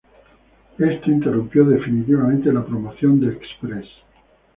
Esto interrumpió definitivamente la promoción de Express.